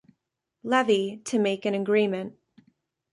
Levy to make an agreement.